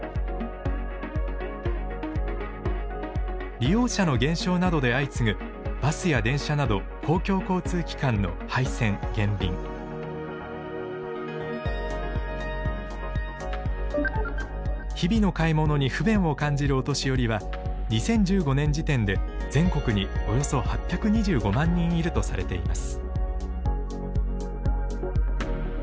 利用者の減少などで相次ぐバスや電車など日々の買い物に不便を感じるお年寄りは２０１５年時点で全国におよそ８２５万人いるとされています。